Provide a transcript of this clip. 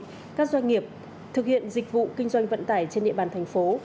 các doanh nghiệp thực hiện dịch vụ kinh doanh vận tải trên địa bàn thành phố